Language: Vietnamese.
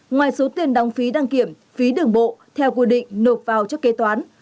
ngoài số tiền đóng phí đăng kiểm phí đường bộ theo quy định nộp vào chức kế toán